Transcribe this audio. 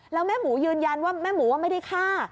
แล้วแม่หมูยืนยันว่าแม่หมูว่าไม่ได้ฆ่า